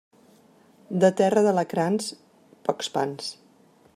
De terra d'alacrans, pocs pans.